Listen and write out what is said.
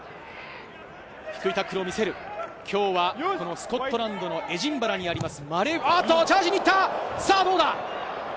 低いタックルを見せる今日はスコットランドのエジンバラにあります。